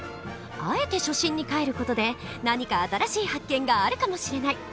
あえて初心にかえる事で何か新しい発見があるかもしれない！